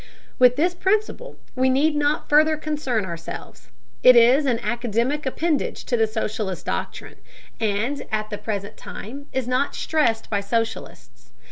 With this principle we need not further concern ourselves. It is an academic appendage to the socialist doctrine, and at the present time is not stressed by socialists.